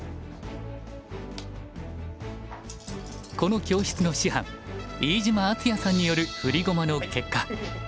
この教室の師範飯島篤也さんによる振り駒の結果。